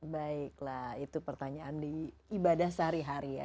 baiklah itu pertanyaan di ibadah sehari hari ya